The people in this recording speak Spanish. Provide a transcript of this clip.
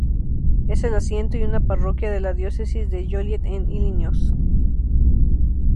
Es el asiento y una parroquia de la Diócesis de Joliet en Illinois.